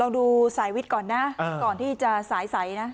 ดูสายวิทย์ก่อนนะก่อนที่จะสายใสนะ